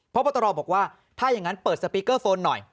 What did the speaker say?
พบตรบอกว่าถ้าอย่างนั้นเปิดสปีกเกอร์โฟนหน่อย